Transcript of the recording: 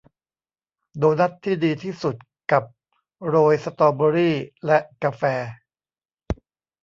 โดนัทที่ดีที่สุดกับโรยสตรอเบอร์รี่และกาแฟ